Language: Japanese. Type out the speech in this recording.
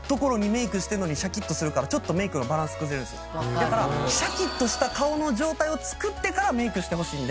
だからシャキッとした顔の状態を作ってからメイクしてほしいんで。